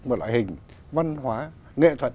một loại hình văn hóa nghệ thuật